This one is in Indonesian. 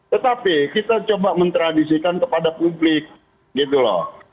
tetapi kita coba mentradisikan kepada publik gitu loh